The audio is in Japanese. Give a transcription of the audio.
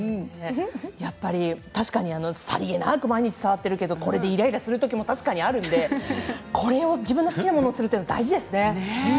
確かにさりげなく毎日触ってるけどこれでイライラするときも確かにあるので自分の好きなものにするのは大事ですね。